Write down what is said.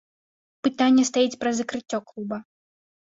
Пытанне стаіць пра закрыццё клуба.